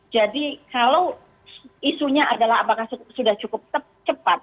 jadi kalau isunya adalah apakah sudah cukup cepat